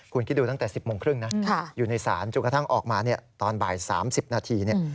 คุณคิดดูตั้งแต่๑๐โมงครึ่งนะอยู่ในศาลจนกระทั่งออกมาตอนบ่าย๓๐นาที